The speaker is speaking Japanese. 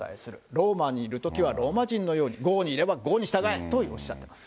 ローマにいるときはローマ人のように、郷に入れば郷に従えとおっしゃっています。